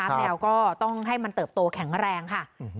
แมวก็ต้องให้มันเติบโตแข็งแรงค่ะ